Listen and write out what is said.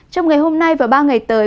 trong ngày hôm nay và ba ngày tới